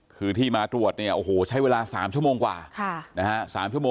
คือที่มาตรวจเนี่ยโอ้โหใช้เวลา๓ชั่วโมงกว่านะฮะ๓ชั่วโมง